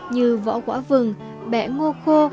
như vỏ quả vừng bẹ ngô khô